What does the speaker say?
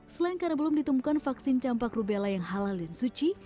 selain karena belum ditemukan vaksin campak rubella yang halal dan suci